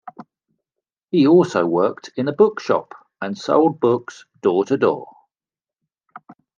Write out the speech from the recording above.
He also worked in a bookshop and sold books door-to-door.